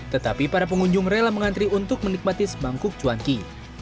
tetapi para pengunjung rela mengantri untuk menikmati semangkuk cuanki